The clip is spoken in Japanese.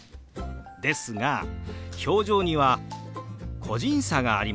ですが表情には個人差がありますよね。